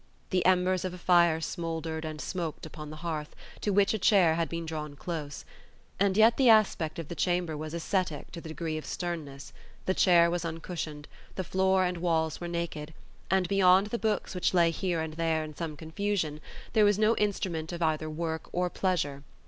The embers of a fire smouldered and smoked upon the hearth, to which a chair had been drawn close. And yet the aspect of the chamber was ascetic to the degree of sternness; the chair was uncushioned; the floor and walls were naked; and beyond the books which lay here and there in some confusion, there was no instrument of either work or pleasure.